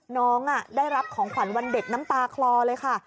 น้องได้รับของขวัญวันเด็กน้ำตาคลอเลยค่ะ